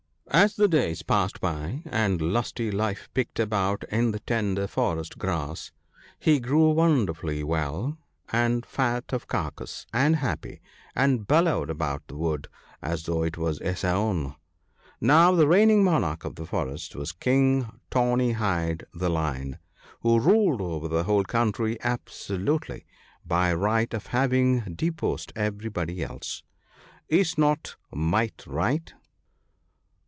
As the days passed by, and Lusty life picked about in the tender forest grass, he grew wonderfully well, and fat of carcase, and happy, and bellowed about the wood as though it were his own. Now, the reigning monarch of the forest was King Tawny hide the Lion, who ruled over the whole country absolutely, by right of having deposed everybody else. Is not might right?